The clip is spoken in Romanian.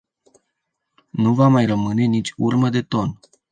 Nu va mai rămâne nici urmă de ton.